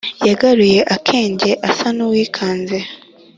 yagaruye akenge asa n’uwikanze